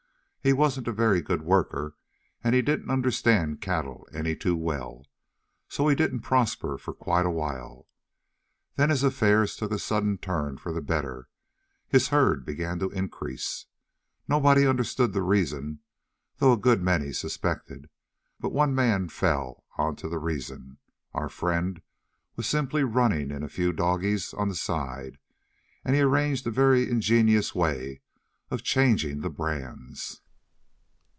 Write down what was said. He wasn't a very good worker, and he didn't understand cattle any too well, so he didn't prosper for quite a while. Then his affairs took a sudden turn for the better; his herd began to increase. Nobody understood the reason, though a good many suspected, but one man fell onto the reason: our friend was simply running in a few doggies on the side, and he'd arranged a very ingenious way of changing the brands."